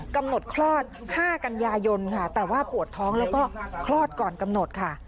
กำหนดคลอด๕กันยายนค่ะแต่ว่าปวดท้องแล้วก็คลอดก่อนกำหนดค่ะ